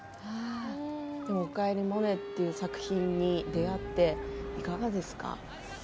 「おかえりモネ」という作品に出会っていかがですか。